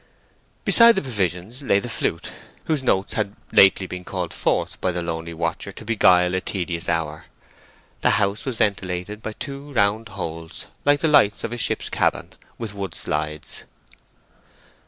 Beside the provisions lay the flute, whose notes had lately been called forth by the lonely watcher to beguile a tedious hour. The house was ventilated by two round holes, like the lights of a ship's cabin, with wood slides.